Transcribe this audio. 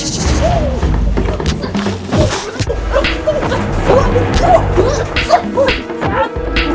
di sini berhutang